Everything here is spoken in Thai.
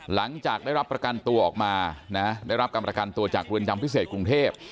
หลังจากได้รับประกันตัวออกมานะได้รับการประกันตัวจากเรือนจำพิเศษกรุงเทพ